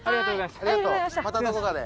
またどこかで。